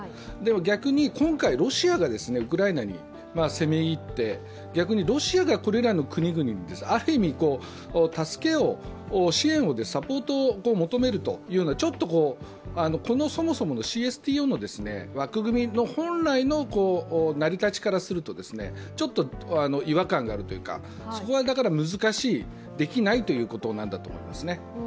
逆に今回、ロシアがウクライナに攻め入って、逆にロシアがこれらの国々にある意味で支援を、サポートを求めるというような、そもそものＣＳＴＯの枠組みの本来の成り立ちからすると、ちょっと違和感があるというか、そこが難しい、できないということなんだと思います。